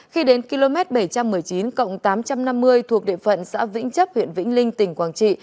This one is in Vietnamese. khi đến km bảy trăm một mươi chín tám trăm năm mươi thuộc địa phận xã vĩnh chấp huyện vĩnh linh tỉnh quảng trị